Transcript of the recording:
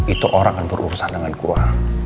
itu orang yang berurusan dengan kurang